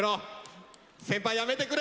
先輩やめてくれ！